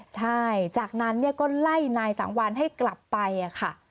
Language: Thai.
ใช่จากนั้นก็ไล่นายสังวัลให้กลับไปค่ะ